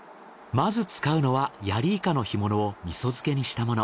まず使うのはヤリイカの干物を味噌漬けにしたもの。